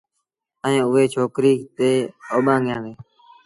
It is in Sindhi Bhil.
ائيٚݩ اُئي ڇوڪريٚ تي اوٻآݩگيآݩدي